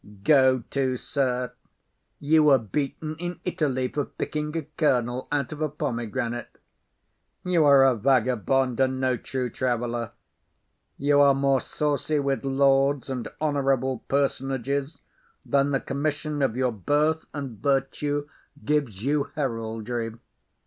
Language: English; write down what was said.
Go to, sir; you were beaten in Italy for picking a kernel out of a pomegranate; you are a vagabond, and no true traveller. You are more saucy with lords and honourable personages than the commission of your birth and virtue gives you heraldry.